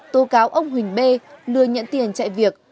tố cáo ông huỳnh b lừa nhận tiền chạy việc